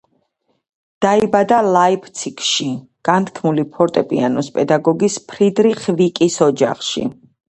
დაიბადა ლაიფციგში, განთქმული ფორტეპიანოს პედაგოგის ფრიდრიხ ვიკის ოჯახში.